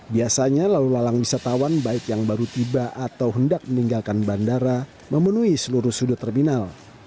biasanya lalu lalang wisatawan baik yang baru tiba atau hendak meninggalkan bandara memenuhi seluruh sudut terminal